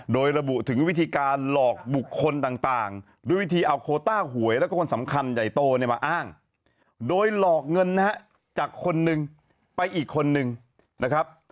โดยหลอกเงินนะฮะจากคนหนึ่งไปอีกคนหนึ่งนะครับ